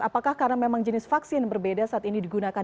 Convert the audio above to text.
apakah karena memang jenis vaksin berbeda saat ini digunakan